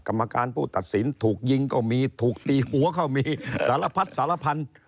กรรมการผู้ตัดสินถูกยิงก็มีถูกตีหัวก็มีสารพัดสารพันธุ์